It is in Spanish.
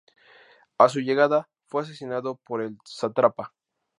A su llegada, fue asesinado por el sátrapa.